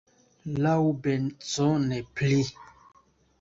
Laŭbezone pli.